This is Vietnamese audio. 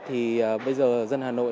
thì bây giờ dân hà nội